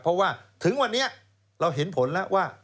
เพราะว่าถึงวันนี้เราเห็นผลแล้วว่า